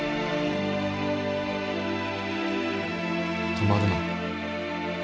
止まるな